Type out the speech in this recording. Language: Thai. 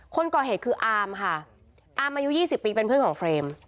คนก่อเหตุคืออามค่ะอามอายุ๒๐ปีเป็นเพื่อนของเฟรม